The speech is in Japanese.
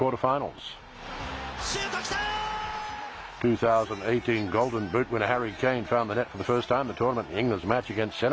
シュート、きた！